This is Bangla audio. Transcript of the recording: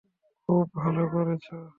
খুব ভালো করেছ।